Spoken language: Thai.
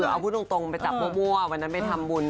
เอาพูดตรงไปจับมั่ววันนั้นไปทำบุญ